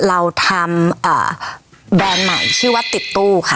เราทำแบรนด์ใหม่ที่วัดติดตู้ค่ะ